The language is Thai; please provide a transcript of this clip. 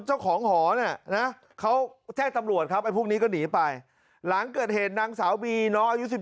เจ้าของหอจะตำรวจครับหลังเกิดเหตุนังสาวบีน้อยอายุ๑๗